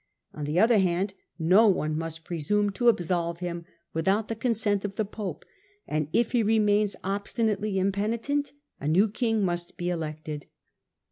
On the other hand, no one must presume to absolve him without the con sent of the pope, and, if he remains obstinately impeni tent, a new king must be elected.